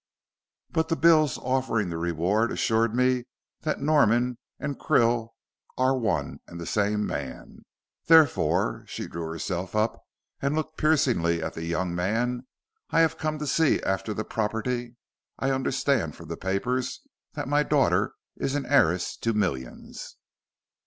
But the bills offering the reward assured me that Norman and Krill are one and the same man. Therefore," she drew herself up and looked piercingly at the young man, "I have come to see after the property. I understand from the papers that my daughter is an heiress to millions."